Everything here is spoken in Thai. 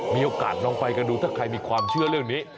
มีโอกาสลองไปกันดูถ้าใครมีความเชื่อเรื่องนี้